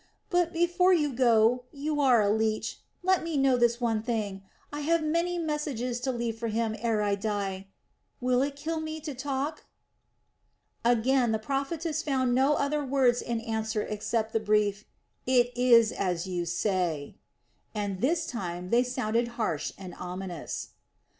But before you go you are a leech let me know this one thing I have many messages to leave for him ere I die.... Will it kill me to talk?" Again the prophetess found no other words in answer except the brief: "It is as you say," and this time they sounded harsh and ominous.